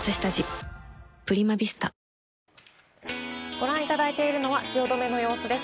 ご覧いただいているのは汐留の様子です。